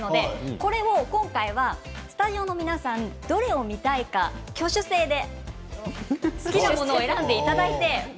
これを今回はスタジオの皆さんどれを見たいか挙手制で好きなものを選んでいただいて。